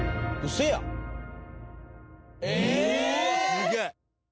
すげえ！